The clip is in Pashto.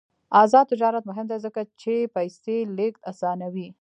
آزاد تجارت مهم دی ځکه چې پیسې لیږد اسانوي.